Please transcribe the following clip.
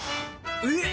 えっ！